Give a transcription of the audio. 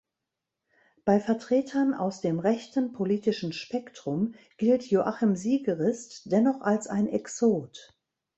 Bei Vertretern aus dem rechten politischen Spektrum gilt Joachim Siegerist dennoch als ein „Exot“.